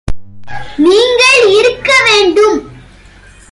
நீங்கள் இருக்க வேண்டும்.